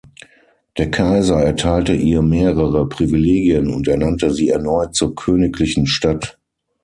Der Kaiser erteilte ihr mehrere Privilegien und ernannte sie erneut zur königlichen Stadt.